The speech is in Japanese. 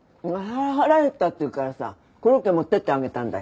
腹減ったって言うからさコロッケ持ってってあげたんだよ。